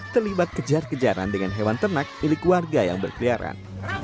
terlibat kejar kejaran dengan hewan ternak milik warga yang berkeliaran